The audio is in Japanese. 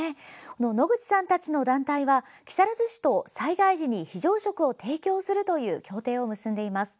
野口さんたちの団体は木更津市と災害時に非常食を提供するという協定を結んでいます。